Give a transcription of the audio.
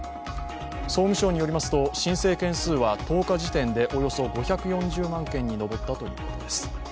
総務省によりますと、申請件数は１０日時点でおよそ５４０万件に上ったということです。